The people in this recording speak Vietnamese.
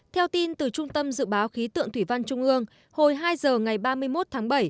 theo tin từ trung tâm dự báo khí tượng thủy văn trung ương hồi hai h ngày ba mươi một tháng bảy